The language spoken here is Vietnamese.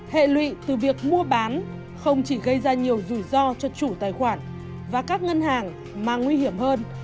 hệ lụy từ việc mua bán không chỉ gây ra nhiều rủi ro cho chủ tài khoản và các ngân hàng mà nguy hiểm hơn